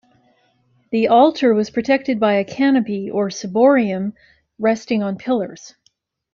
The altar was protected by a canopy or "ciborium" resting on pillars.